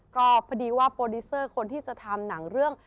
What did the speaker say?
ก็พอดีว่าโปรดิวเซอร์คนที่จะทำหนังเรื่อง